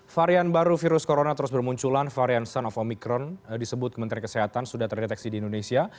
varian baru virus corona terus bermunculan varian sens of omikron disebut kementerian kesehatan sudah terdeteksi di indonesia